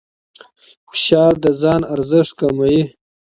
فشار د ځان ارزښت کموي.